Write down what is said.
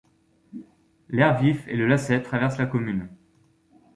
L'Hers-Vif et le Lasset traversent la commune.